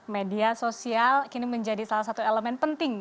media sosial kini menjadi salah satu elemen penting